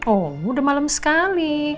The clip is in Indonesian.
oh udah malem sekali